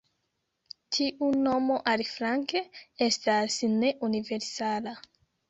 Tiu nomo, aliflanke, estas ne universala.